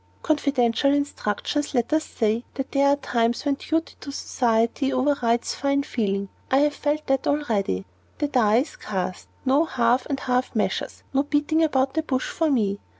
"Confidential instructions, let us say; but there are times when duty to society overrides fine feeling. I have felt that already. The die is cast. No half and half measures, no beating about the bush, for me.